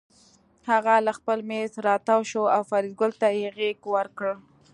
هغه له خپل مېز راتاو شو او فریدګل ته یې غېږ ورکړه